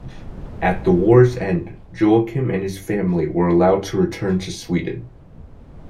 At the war's end, Joachim and his family were allowed to return to Sweden.